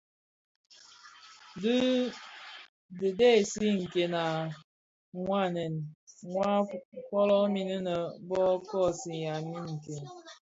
Dhi dhesi nken wa nkonen waa folomin innë bo kosigha min nken.